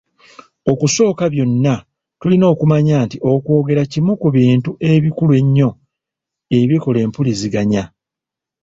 Okusooka byonna, tulina okumanya nti okwogera kimu ku bintu ebikulu ennyo ebikola empuliziganya.